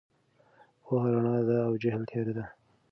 پوهه رڼا ده او جهل تیاره ده.